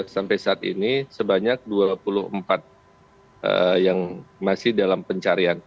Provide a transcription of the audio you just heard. sampai saat ini sebanyak dua puluh empat yang masih dalam pencarian